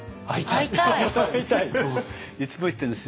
いつも言ってるんですよ